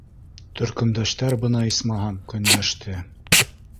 Төркөмдәштәр бына исмаһам көнләште!